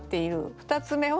２つ目は。